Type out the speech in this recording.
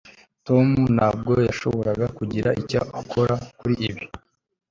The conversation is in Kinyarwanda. tom ntabwo yashoboraga kugira icyo akora kuri ibi